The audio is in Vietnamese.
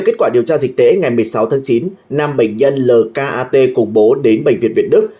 kết quả điều tra dịch tễ ngày một mươi sáu tháng chín năm bệnh nhân lk cùng bố đến bệnh viện việt đức